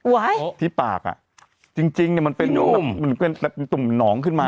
ไว้อ๋อที่ปากอะจริงมันเป็นตุ่มหนองขึ้นมา